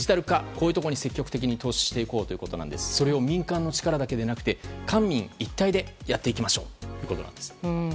こういうところに積極的に投資していこうということでそれを民間の力だけじゃなくて官民一体でやっていきましょうということなんです。